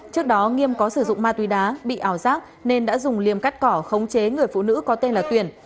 trước đó nghiêm có sử dụng ma túy đá bị ảo giác nên đã dùng liềm cắt cỏ khống chế người phụ nữ có tên là tuyển